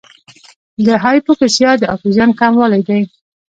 د هایپوکسیا د اکسیجن کموالی دی.